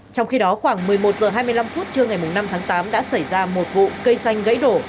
trong khi đó khoảng một mươi một h hai mươi năm phút trưa ngày năm tháng tám đã xảy ra một vụ cây xanh gãy đổ